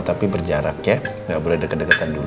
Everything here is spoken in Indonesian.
tapi berjarak ya nggak boleh deket deketan dulu